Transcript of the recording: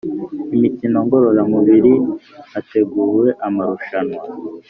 Imikino ngororamubiri hateguwe amarushanwa